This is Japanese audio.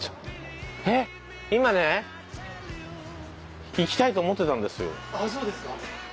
えっ今ね行きたいと思ってたんですよ。